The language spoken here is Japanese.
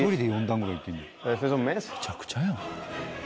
むちゃくちゃやん。